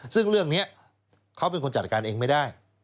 ซึ่งเรื่องนี้เขาเป็นคนจัดการเองไม่ได้